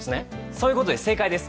そういうことです、正解です。